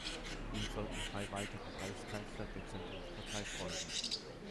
Ihm sollten drei weitere Reichskanzler der Zentrumspartei folgen.